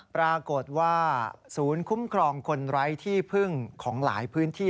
โทษว่าศูนย์คุ้มครองคนร้ายที่